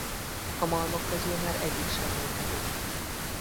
A malmok közül már egyik sem létezik.